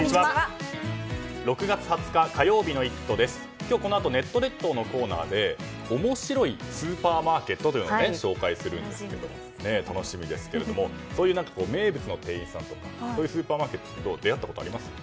今日、このあとネット列島のコーナーで面白いスーパーマーケットを紹介するので楽しみですけれどもそういう名物の店員さんとかそういうスーパーマーケットと出会ったことありますか？